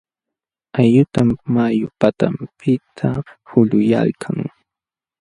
Ayutam mayu patanpiqta hulquyalkan.